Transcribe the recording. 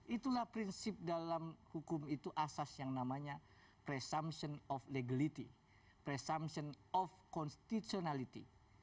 itulah prinsip dalam hukum itu asas yang namanya presumption of legality presumption of constitutionality